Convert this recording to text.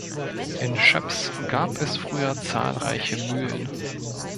In Schöps gab es früher zahlreiche Mühlen.